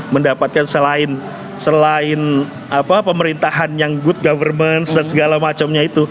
mendapatkan selain pemerintahan yang good government dan segala macamnya itu